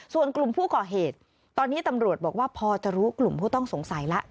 ส่วนกลุ่มผู้ก่อเหตุตอนนี้ตำรวจบอกว่าพอจะรู้กลุ่มผู้ต้องสงสัยแล้ว